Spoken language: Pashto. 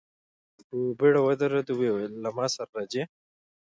په بېړه ودرېد، ويې ويل: له ما سره راځئ!